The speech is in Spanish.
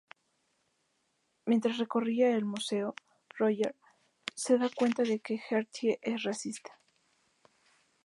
Mientras recorría el museo, Roger se da cuenta de que Gertie es racista.